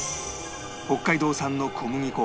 北海道産の小麦粉ゆめ